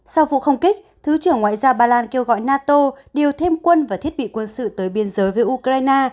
sau vụ không kích thứ trưởng ngoại giao ba lan kêu gọi nato điều thêm quân và thiết bị quân sự tới biên giới với ukraine